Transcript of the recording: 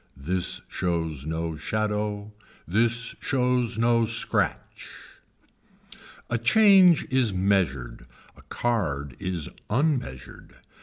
This shows no shadow. This shows no scratch. A change is measured, a card is unmeasured.